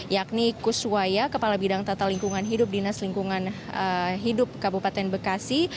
yakni kuswaya kepala bidang tata lingkungan hidup dinas lingkungan hidup kabupaten bekasi